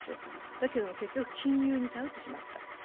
だけども、結局金融に頼ってしまった。